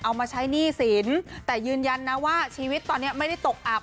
เอามาใช้หนี้สินแต่ยืนยันนะว่าชีวิตตอนนี้ไม่ได้ตกอับ